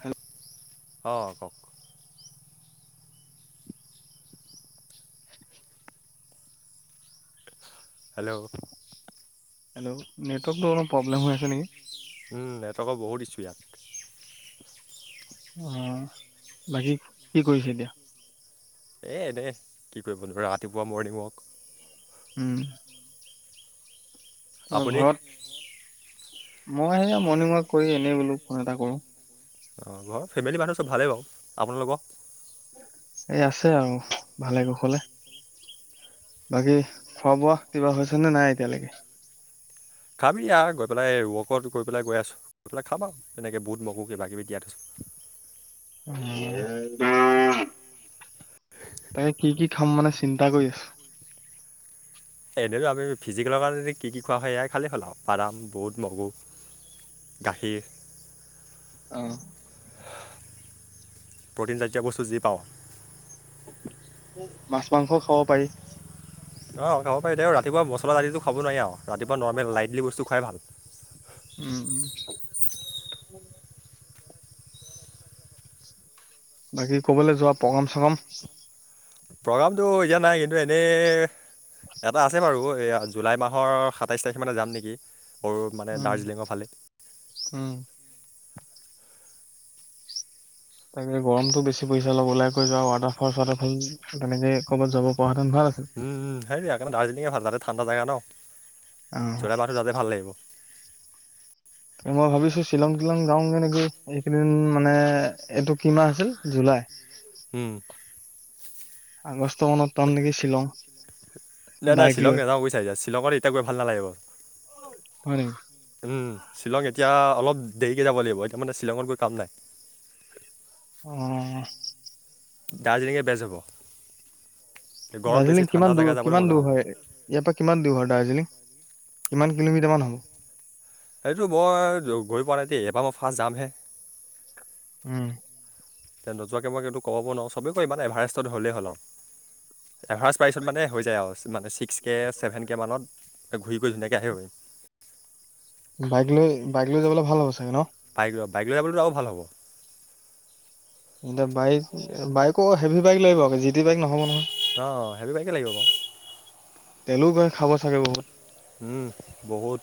Hello অঁ কওক। [inaudible] Hello hello নেটৱৰ্কটো অলপ প্ৰব্লেম হৈ আছে নেকি ওম নেটৱৰ্কৰ বহুত স্পীদ অ বাকী কি কৰিছে এতিয়া এই এনে কি কৰিব নো ৰাতিপুৱা মৰ্ণিং ৱাক উম আপুনি ঘৰত মই সেয়া মৰ্ণিং ৱাক কৰি এনেই বোলো ফোন এটা কৰোঁ অঁ ঘৰৰ ফেমিলি মানুহ চব ভালেই বাৰু আপোনালোকৰ এই আছে আৰু ভালে কুশলে বাকী খোৱা বোৱা কিবা হৈছে নে নাই এতিয়ালৈকে খাবি আৰু গৈ পেলাই এই ৱৰ্কআউট কৰি পেলাই গৈ আছোঁ গৈ পেলাই খাম আৰু তেনেকৈ বুট মগু কিবাকিবি তিয়াই থৈ উম [inaudible] তাকে কি কি খাম মানে চিন্তা কৰি আছোঁ। এনেইটো আমি ফিজিকেলৰ কাৰণে কি কি খোৱা হয় এয়াই খালেই হ'ল আৰু বাদাম বুট মগু গাখীৰ অ' প্ৰ'টিনজাতীয় বস্তু যি পাওঁ মাছ মাংসও খাব পাৰি। অঁ খাব পাৰি দে ৰাতিপুৱা মচলা পাতি খাব নোৱাৰি আৰু ৰাতিপুৱা নৰ্মেল লাইটলি বস্তু খোৱাই ভাল। উম উম বাকী ক'ৰবালৈ যোৱা প্ৰগ্ৰম চগম প্ৰগ্ৰামটো এতিয়া নাই কিন্তু এনেই এটা আছে বাৰু এইয়া জুলাই মাহৰ সাতাইছ তাৰিখ মানে যাম নেকি সৰু মানে উম, দাৰ্জিলিঙৰ ফালে। উম তাকে গৰমতটো বেছি পৰিছে অলপ ওলাই কৈ যোৱা ৱাটাৰফল চোৱাটাৰফল তেনেকে ক'ৰবাত যাব পৰা হেঁতেন ভাল আছিল। ওম ওম সেইকাৰণে দাৰ্জিলিঙে ভাল যাতে ঠাণ্ডা জেগা ন অ' যোৱাবাৰটো তাতে ভাল লাগিল। মই ভাবিছোঁ শ্বিলং শ্বিলং যাওঁগে নেকি এইকেইদিন মানে এইটো কি মাহ আছিল জুলাই। উম আগষ্ট মানত পাম নেকি শ্বিলং নাই নাই বাইক শ্বিলং লৈ নাযাওঁ বুজিছা শ্বিলঙত এতিয়া গৈ ভাল নালাগিব। হয় নেকি শ্বিলং এতিয়া অলপ দেৰিকৈ যাব লাগিব এতিয়া মানে শ্বিলঙত গৈ কাম নাই অঅঅ দাৰ্জিলিঙে বেষ্ট হ'ব। গৰম বেছি দাৰ্জিলিং ঠাণ্ডা কিমান দূৰ জেগা যাবলৈ কিমান মজা দূৰ হ'ব হয়? ইয়াৰ পৰা কিমান দূৰ হয় দাৰ্জিলিং কিমান কিলোমিটাৰ মান হ'ব? এইটো মই গৈ পোৱা নাই দেই এইবাৰ মই ফাৰ্ষ্ট যামহে। উম এতিয়া নোযোৱাকে মই এইটো ক'ব নোৱাৰোঁ চবে কয় মানে এভাৰেষ্টত হলেই হ'ল আৰু এভাৰেজ প্ৰাইচত মানে হৈ যায় আৰু মানে ছিক্স কে ছেভেন কে মানত ঘূৰি গৈ ধুনীয়াকৈ আহিব পাৰিম বাইক লৈ বাইক লৈ যাবলৈ ভাল হ'ব চাগে ন। বাইক লৈ বাইক লৈ যাবলৈটো আৰু ভাল হ'ব। এতিয়া বাইক বাইকো হেভি বাইক লাগিব আকৌ জি টি বাইক নহ'ব নহয়। অঁ হেভি বাইকে লাগিব বাৰু। তেলো গৈ খাব চাগে বহুত। উম! বহুত।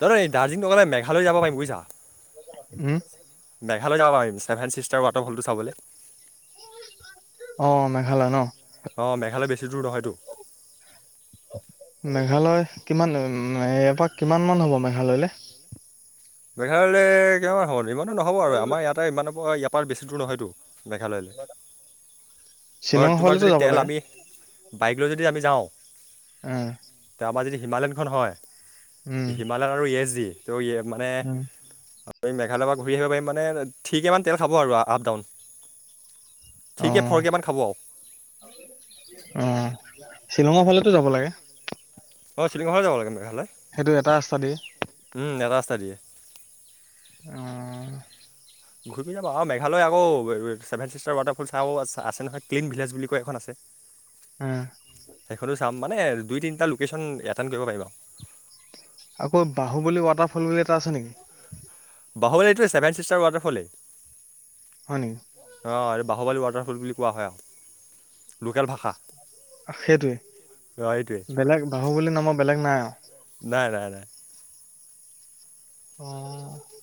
[unintelligible] এই দাৰ্জিলিং নগলে মেঘালয় যাব পাৰিম বুজিছা। উম [unintelligible] মেঘালয় যাব পাৰিম, ছেভেন ছিষ্টাৰ ৱাটাৰফলটো চাবলৈ। [unintelligible] অঁ মেঘালয় ন। [unintelligible] অঁ মেঘালয় বেছি দূৰ নহয়তো। [inaudible] মেঘালয় কিমান [unintelligible] ইয়াৰ পৰা কিমান মান হ'ব মেঘালয়লৈ? মেঘালয়লৈ কিমান হ'ব ইমানো নহ'ব আৰু আমাৰ ইয়াতে ইমানৰ ইয়াৰ পৰা বেছি দূৰ নহয়তো। [unintelligible] মেঘালয়লৈ [inaudible] হয়, শ্বিলঙৰ তোমাৰ ফালেতো যদি যাব তেল লাগে আমি বাইক লৈ যদি আমি যাওঁ [inaudible] উম! তাৰপৰা যদি হিমালয়নখন উম হয়। হিমালয়ন আৰু এছজি [unintelligible] মানে উম [unintelligible] মেঘালয়ৰ পৰা ঘূৰি আহিব পাৰিম মানে থ্ৰি কৰে মান তেল খাব আৰু আপ ডাউন। [unintelligible] থ্ৰিকে, ফৰকে মান খাব। [inaudible] অঁ! শ্বিলঙৰ ফালতো যাব লাগে? [inaudible] অঁ শ্বিলঙৰ ফালে যাব লাগে মেঘালয়। [inaudible] সেইটো এটা ৰাস্তা দি? [inaudible] উম এটা ৰাস্তা দিয়ে। [unintelligible] অঁ [inaudible] ঘূৰি [unintelligible] আৰু মেঘালয় আকৌ ছেভেন ছিষ্টাৰ ৱাটাৰফল চাওঁ আৰু আছে-আছে নহয় ক্লিন ভিলেজ বুলি কৈ এখন আছে। [inaudible] উম! সেইখনো চাম মানে দুই, তিনিটা লোকেশ্যন এটেণ্ড কৰিব পাৰিম আউ। [inaudible] আকৌ বাহুবলী ৱাটাৰফল বুলি এটা আছে নেকি? [inaudible] বাহুলী এইটোৱেই চেভেন ছিষ্টাৰ ৱাটাৰফলেই। [inaudible] হয় নি? [unintelligible] অঁ এই বাহুবলী ৱাটাৰফল বুলি কোৱা হয় আৰু। লোকেল ভাষা [unintelligible] অঁ এইটোৱে সেইটোৱেই। বেলেগ বাহুবলী নামৰ বেলেগ নাই আৰু? [inaudible] নাই-নাই-নাই। উম [inaudible]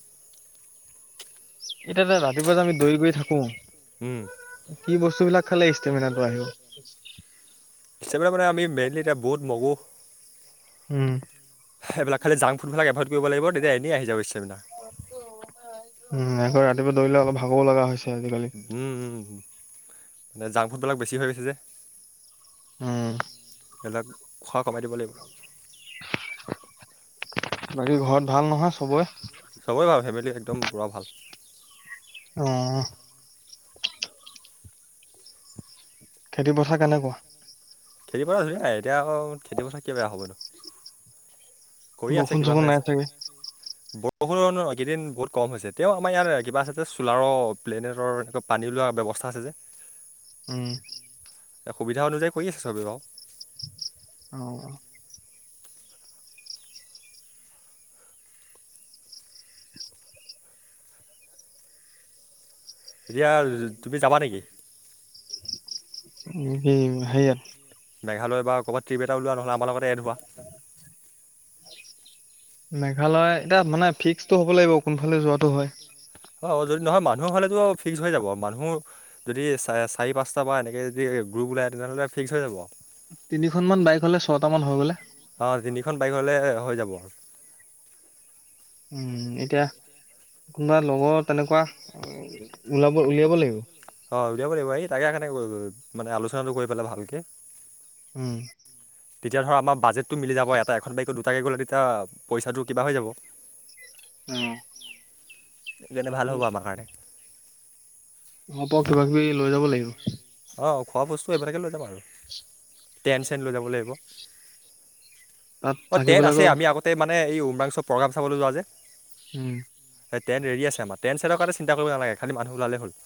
এতিয়া যে ৰাতিপুৱা যে আমি দৈ গৈ থাকোঁ [unintelligible] উম [inaudible] কি বস্তুবিলাক খালে ষ্টেমিনাটো আহিব? [unintelligible] [unintelligible] সেইবিলাক মানে আমি মেইনলি এতিয়া বুট, মগু [inaudible] উম সেইবিলাক খালী জাংক ফুডবিলাক এভইড কৰিব লাগিব, তেতিয়া এনেই আহি যাব ষ্টেমিনা। [unintelligible] [unintelligible] উম! আকৌ ৰাতিপুৱা দৌৰিলে অলপ ভাগৰো লগা হৈছে আজিকালি। উম-উম! মানে জাংক ফুডবিলাক বেছি হৈ গৈছে যে। উম [unintelligible] এইবিলাক খোৱা কমাই দিব লাগিব। [inaudible] [unintelligible] বাকী ঘৰত ভাল নহয় চবৰে? চবেই ভাল, ফেমিলিত একদম পুৰা ভাল। [inaudible] অঁ-অঁ [inaudible] খেতি পথাৰ কেনেকুৱা? [inaudible] খেতি পথাৰ ধুনীয়া, এতিয়া আকৌ খেতি পথাৰ কি বেয়া হ'বনো। [inaudible] কৰি আছে, বৰষুণ কিবা চৰষুণ হৈ নাই আছে। [inaudible] চাগে বৰষুণ এইকেইদিন বহুত কম হৈছে। তেওঁ আমাৰ ইয়াত কিবা আছে যে চোলাৰৰ [unintelligible] প্লেনেটৰ এনেকৈ পানী ওলোৱা ব্যৱস্থা আছে যে। উম। সুবিধা অনুযায়ী কৰি আছে চবেই বাৰু। অ অ। এতিয়া তুমি যাবা নেকি। উম দিম সেইয়াত। মেঘালয়ৰ বা কৰবাত ট্ৰিপ এটা ওলোৱা নহ'লে আমাৰ লগতে এত হোৱা। উ। মেঘালয় এতিয়া মানে ফিক্সটো হ'ব লাগিব কোনফালে যোৱাতটো হয়। অ, যদি নহয় মানুহ হ'লেতো ফিক্স হৈ যাব মানুহ। যদি চা চাৰি পাঁচটাৰ পৰা এনেকৈ যদি গ্ৰুপ ওলায় তেনেহ'লে ফিক্স হৈ যাব। তিনিখন মান বাইক হ'লে ছয়টা মান হৈ গ'লে। অ, তিনিখন বাইক হ'লে হৈ যাব। উম এতিয়া কোনোবা লগৰ তেনেকুৱা ওলাব উলিয়াব লাগিব। অ', উলিয়াব লাগিব এইি তাকে কাৰণে মানে আলোচনাটো কৰি পেলাই ভালকৈ। উম। তেতিয়া ধৰা আমাৰ বাজেটটো মিলি যাব এটা এখন বাইকে দুটাকৈ গ'লে তেতিয়া পইচাটো কিবা হৈ যাব। উম। যেনে ভাল হ'ব আমাৰ কাৰণে। হ'ব কিবা কিবি লৈ যাব লাগিব। অঁ', খোৱা বস্তু এইবিলাকে লৈ যাম আৰু। টেন চেন লৈ যাব লাগিব। তাত অঁ ট্ৰেন থাকিবলৈ আছে আকৌ আমি আগতে মানে এই উমৰাংচ্বৰ প্ৰগ্ৰোম চাবলৈ যোৱা যে। উম এইট্ৰন ৰেডি আছে আমাৰ ট্ৰেন চৰণৰ কাৰণে চিন্তা কৰিবা নালাগে খালি মানুহ ওলালে হ'ল।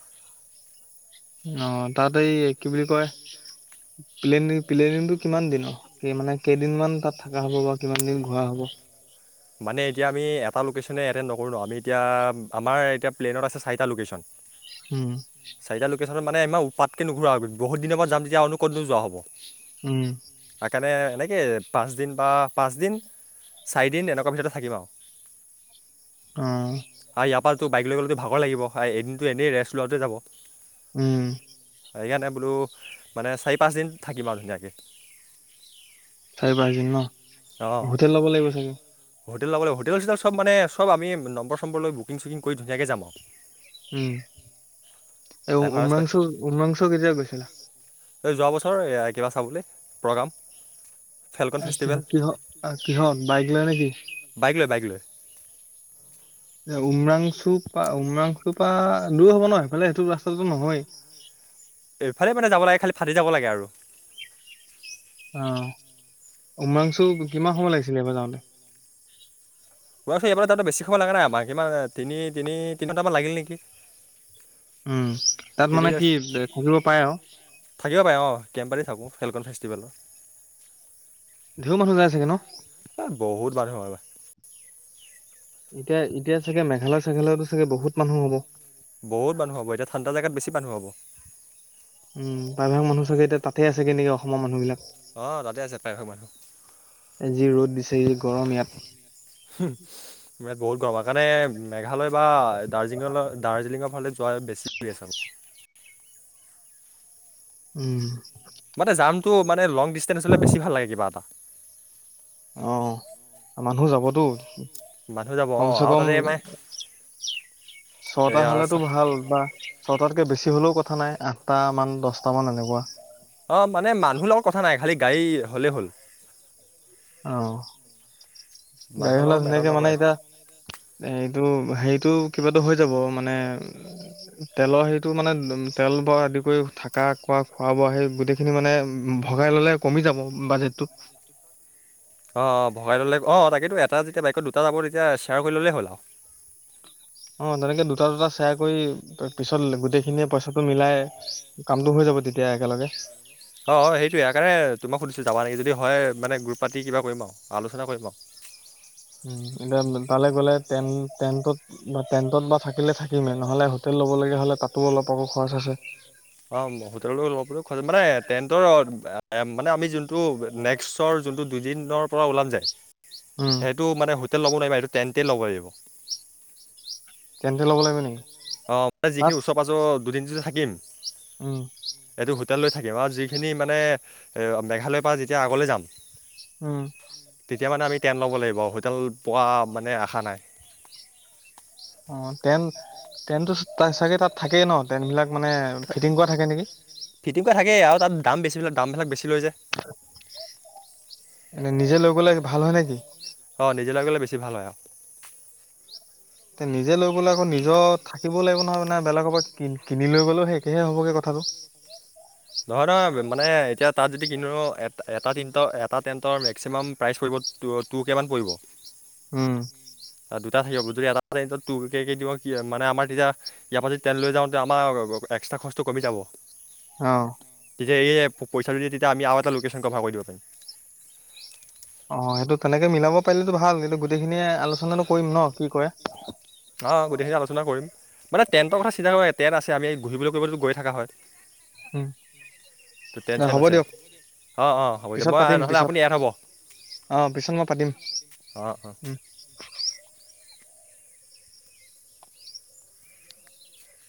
অ', তাত এই কি বুলি কয়। প্লেন প্লেনিঙটো কিমান দিনৰ মানে কেইদিনমান তাত থকা হ'ব বা কিমান দিন ঘূৰা হ'ব। মানে এতিয়া আমি এটা লোকে্চনে এটেণ্ড নকৰোঁ ন আমি এতিয়া আমাৰ এতিয়া প্লেনত আছে চাৰিটা লোকেচন। উম। চাৰিটা লোকেশ্যনত মানে ইমান ওপাতকৈ নুফুৰোৱা বহু দিনৰ পৰা যাম যেতিয়া আৰু ক'তো যোৱা হ'ব। উম। তাৰকাৰণে এনেকৈ পাঁচদিন বা পাঁচদিন চাৰিদিন এনেকুৱ। মোঠতে থাকিম আ। উম। আৰু ইয়াৰ পা টো বাইক লৈ গ'লেতো ভাগৰ লাগিব আৰু এদিনটো এনেই ৰেষ্ট লোৱাতে যাব। উম। অ ইয়াতে বোলো মানে চাৰি -পাঁচদিন থাকিম আৰু ধুনীয়াকে। চাৰি- পাঁচ দিন ন হোটেল ল'ব লাগিব চাগে। হোটেল ল'বলৈ হোটেল-চোটেল চব মানে চব আমি নম্বৰ চম্বৰ ল বুকিং-চুকিং কৰি ধুনীয়াকৈ যাম আৰু। উম এ এভাৰেষ্ট পাই উম্ৰংশ উম্ৰাংশ কেতিয়া গৈছিলা। এই যোৱা বছৰ কিবা চাবলৈ প্ৰ'গ্ৰাম। ফেলকন ফেষ্টিভেল কিহত কিহত কিহত বাইক লয় নেকি। বাইক লৈ বাইক লৈ। উওমৰাংচুপা উওমৰাংচুপা দূৰ হ'ব ন এইফালে সেইটো ৰাস্তাটো নহয়। এইফালে মানে যাব লাগে খালি ফাটি যাব লাগে আৰু। অ', উমাংচু কিমান সময় লাগিছিলে এইবাৰ যাওঁতে। গৈ থৈ এইবাৰ তাতো বেছি সময় লাগা নাই আমাক ইমান তিনি তিনি তিনিণ্টামান লাগিল নেকি? উম তাত মানে তেনেকৈ কি থাকিব পাৰে আৰু? থাকিব পাৰে অঁ, কেম পাৰী থাকোঁ ফেলকন ফেষ্টিভেলৰ। ঢেও মানুহ যায় চাগে ন? এই বহুত মানুহ। এতিয়া এতিয়া চাগে মেঘালয় - চেঘালয়তো চাগে বহুত মানুহ হব। বহুত মানুহ হব এতিয়া ঠাণ্ডা জাগাত বেছি মানু্হ হব। উম প্ৰাই ভাগ মানুহ চাগে এতিয়া তাতে আছে নেকি অসমৰ মানুহবিলাক। অঁ তাতে আছে প্ৰায়ভাগ মানুহ যি ৰ'দ বিছোৰ গৰম ইয়াত। হুম। ইয়াত বহুত গৰমৰ কাৰণে মেঘালয় বা দাৰ্জিলিঙ দাৰ্জিলিঙৰ ফালে যোৱা বেছি আছে আৰু। উম। মাতে জামটো মানে লং ডিচটেঞ্চ হ'লে বেছি ভাল লাগে কিবা এটা। অহ মানুহ যাবতো, মানুহ যাব কম অঁ চে আৰু কম তাতে মানে ছটা এয়া হলেতো চা- ভাল বা ছটাতকে বেছি হলেও কথা নাই আঠটা মান দছটা মান এনেকুৱা। অ মানে মানুহৰ লগত কথা নাই, খালি গাড়ী হ'লেই হ'ল। অহ, গাড়ী মানুহৰ ওলাই লগত মেটাৰ ধুনীয়াকে মানে নকৰে এতিয়া এইটো হেৰিটো কিবাতো হৈ যাব মানে তেলৰ হেৰিটো মানে তেল বৰ আদি কৰি থাকা খোৱা খোৱা বোৱা সেই গোটেই সেইখিনি মানে উম ভগাই ললে কমি যাব বাজেটটো। অঁ অঁ ভগাই ল'লে অঁ তাকেতো এটা যেতিয়া বাইকত দুটা যাব তেতিয়া শ্বেয়াৰ কৰি ললে হ'ল আৰু। অ তেনেকে দুটা - দুটা শেয়াৰ কৰি পিছত গোটেইখিনিয়ে পইচাটো মিলাই কামটো হৈ যাব তেতিয়া একেলগে। অঁঁ সেইটো ইয়াৰ কাৰণ তোমাক সুধিছোঁ যাবা নেকি যদি হয় মানে গ্ৰুপটো পাতি কিবা কৰিম আৰু আলোচনা কৰিম আৰু। উম এতিয়া তালে গ'লে টেন টেনটত বা টেন্টত বা থাকিলে থাকিমে নহ'লে হোটেল ল'ব লগীয়া হ'লে তাতো অলপ আকৌ খৰচ আছে। অ হোটেললৈ লব পাৰো কাৰন মানে টেন্টৰ মানে আমি যোনটো নে সৰ যোনটো দুদিনৰ পৰা ওলাম যায় উম। টো মানে হোটেল লব নোৱাৰিব এইটো টেণ্টে লব পাৰিব। টেণ্টে ল'ব লাগিব নেকি তাত? ত দুদিন যদি থাকিম উম। এইটো হোটেল লৈ থাকিম আৰু যিখিনি মানে এ মেঘালয়ৰ পৰা যেতিয়া আগলৈ যাম উম। তেতিয়া মানে আমি টেন ল'ব লাগিব, হোটেল পোৱা মানে আশা নাই। অ টেন টেনটো তাছ চাগে তাত থাকেই ন, টেনটবিলাক মানে ফিটিং কৰা থাকে নেকি? ফিটিং কৰা থাকেই আৰু তাত দাম বেছি লৈ দামবিলাক বেছি লৈ যায়। এনে নিজে লৈ গলে ভাল হয় নেকি? অঁ নিজে লৈ গ'লে বেছি ভাল হয় অ। তে নিজে লৈ গলে আকৌ নিজৰ থাকিব লাগিব নহয় মানে বেলেগৰ পৰা কি কিনি লৈ গলে একে হ'বগৈ কথাটো। নহয় নহয় মানে এতিয়া তাত যদি কিনো এ এটা টেণ্টৰ এটা টেণ্টৰ মেক্সিমাম প্ৰাইচ পৰিব ট টু কে মান পৰিব। উম। আৰু দুটা থাকিব যদি এটা ৰেঞ্জত টু কেকে দিওঁ কি মানে আমাৰ তেতিয়া ইয়াৰ পৰা যদি তেল লৈ যাওঁ তেতিয়া আমাৰ এক্সট্ৰা খৰচটো কমি যাব। অহ। তেতিয়া এইয়ে পইচাটো দি তেতিয়া আমি আৰু এটা লোকেশ্যন কভাৰ কৰি দিব পাৰিম। অ সেইটো তেনেকে মিলাব পাৰিলেটো ভাল, কিন্তু গোটেইখিনিয়ে আলোচনাটো কৰিম ন কি কৰে। অ গোটেইখিনিয়ে আলোচনা কৰিম। মানে টেণ্টৰ কৰা চিন্তা কৰে টেণ্ট আছে আমি ঘূৰিবলে কৰিবলে গৈ থকা হয়। হম [inaudible] তেন্ত চেণ্ট আছে অঁ অঁ হ'ব দিয়ক পিছত মই পাতিম নহ'লে পিছত আপুনি ইয়াত হ'ব। অ পিছত মই পাতিম। অ অ। উম